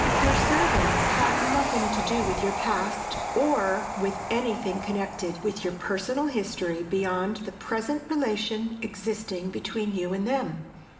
Your servants have nothing to do with your past, or with anything connected with your personal history beyond the present relation existing between you and them.